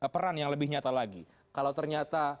peran yang lebih nyata lagi kalau ternyata